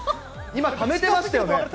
今、ためてましたよね。